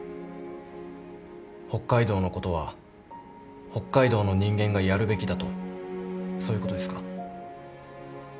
北海道のことは北海道の人間がやるべきだとそういうことですか？